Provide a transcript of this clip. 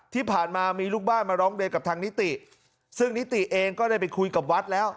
ที่ผ่านมามีลูกบ้านมาร้องเรียนกับทางนิติซึ่งนิติเองก็ได้ไปคุยกับวัดแล้ว